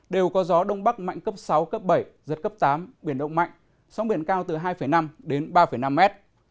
đều có gió đông bắc mạnh cấp sáu cấp bảy giật cấp tám biển động mạnh sóng biển cao từ hai năm đến ba năm mét